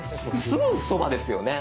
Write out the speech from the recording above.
すぐそばですよね。